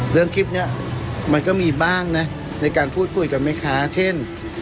เรื่องคลิปนี้มันก็มีบ้างนะในการพูดคุยกับแม่ค้าเช่น